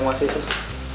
ya makasih sis